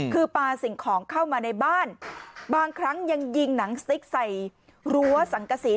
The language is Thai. คือปลาสิ่งของเข้ามาในบ้านบางครั้งยังยิงหนังสติ๊กใส่รั้วสังกษี